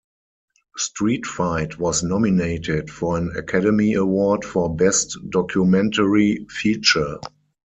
"Street Fight" was nominated for an Academy Award for Best Documentary Feature.